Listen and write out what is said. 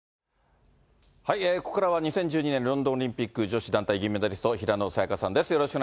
ここからは２０１２年ロンドンオリンピック女子団体銀メダリスト、平野早矢香さんです。